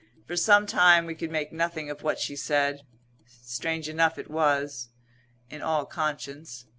For some time we could make nothing of what she said. Strange enough it was in all conscience.